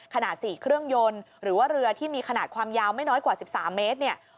ขนาด๔เครื่องยนต์หรือว่าเรือที่มีขนาดความยาวไม่น้อยกว่า๑๓เมตรเนี่ย